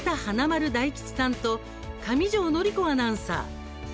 華丸・大吉さんと上條倫子アナウンサー。